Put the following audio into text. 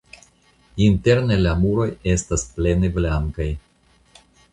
Interne la muroj estas plene blankaj.